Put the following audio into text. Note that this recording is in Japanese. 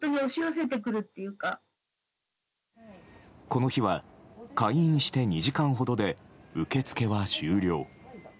この日は開院して２時間ほどで受け付けは終了。